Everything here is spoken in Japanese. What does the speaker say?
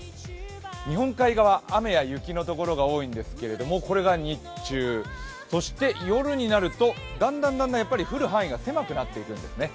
日本海側、雨や雪のところが多いんですけれどもこれが日中、そして夜になるとだんだんだんだん降る範囲が狭くなっていくんですね。